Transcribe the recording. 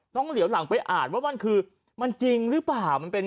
ต้องเหลวหลังไปอ่านว่ามันคือมันจริงหรือเปล่า